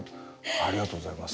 ありがとうございます。